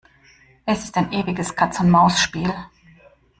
Es ist ein ewiges Katz-und-Maus-Spiel.